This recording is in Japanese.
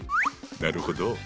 なるほど！